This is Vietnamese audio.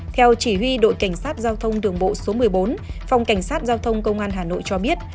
theo chỉ huy đội cảnh sát giao thông đường bộ số một mươi bốn phòng cảnh sát giao thông công an hà nội cho biết